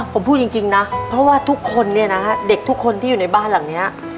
ผมพูดจริงนะเพราะว่าทุกคนเนี่ยนะฮะเด็กทุกคนที่อยู่ในบ้านหลังนี้